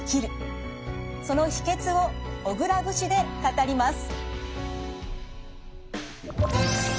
その秘けつを小倉節で語ります。